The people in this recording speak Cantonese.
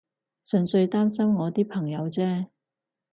純粹擔心我啲朋友啫